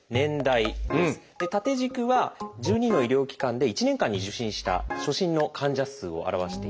縦軸は１２の医療機関で１年間に受診した初診の患者数を表しています。